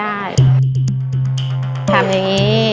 พี่ดาขายดอกบัวมาตั้งแต่อายุ๑๐กว่าขวบ